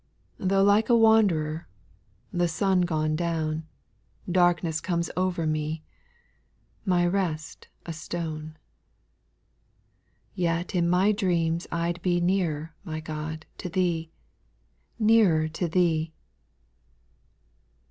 Though like a wanderer, The Bun gone down, Darkness comes over me, My rest a stone, Yet in my dreams I 'd be Nearer, my God, to Thee, Nearer to Thee I 8.